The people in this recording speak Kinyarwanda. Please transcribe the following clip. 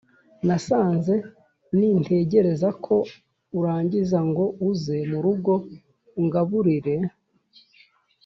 nasanze nintegereza ko urangiza ngo uze mu rugo ungaburire